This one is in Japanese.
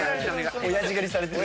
おやじ狩りされてる。